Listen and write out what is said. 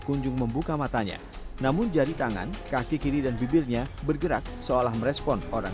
kunjung membuka matanya namun jari tangan kaki kiri dan bibirnya bergerak seolah merespon orang